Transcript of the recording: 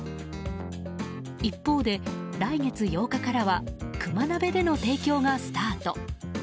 一方で、来月８日からはクマ鍋での提供がスタート。